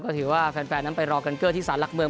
ก็ถือว่าแฟนนั้นไปรอกันเกอร์ที่สารหลักเมือง